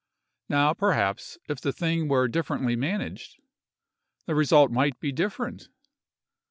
Now, perhaps, if the thing were differently managed, the result might be different.